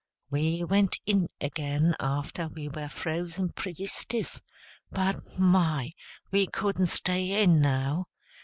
We went in again after we were frozen pretty stiff; but my, we couldn't stay in, now.